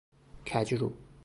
کجرو